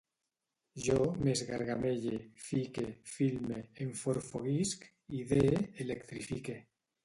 Jo m'esgargamelle, fique, filme, enforfoguisc, idee, electrifique